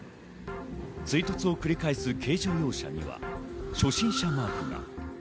追突を繰り返す軽乗用車には初心者マークが。